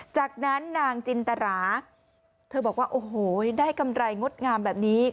จากนั้นนางจินตราเธอบอกว่าโอ้โหได้กำไรงดงามแบบนี้